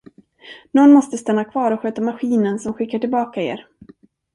Nån måste stanna kvar och sköta maskinen som skickar tillbaka er.